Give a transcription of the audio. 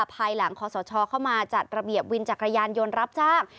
ภายหลังคอสชเข้ามาจัดระเบียบวินจักรยานยนต์รับจ้าง